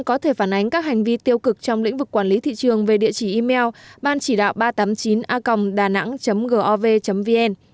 có thể phản ánh các hành vi tiêu cực trong lĩnh vực quản lý thị trường về địa chỉ email banchỉđạo ba trăm tám mươi chín acongdanang gov vn